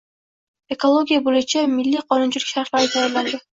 Ekologiya bo‘yicha milliy qonunchilik sharhlari tayyorlandi